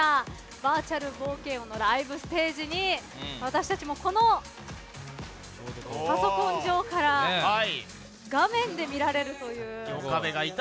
バーチャル冒険王のライブステージに私たちもこのパソコン上から画面で見られるという。